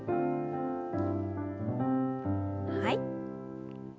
はい。